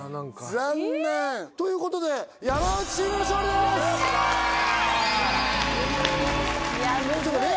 残念ということで山内チームの勝利ですよっ！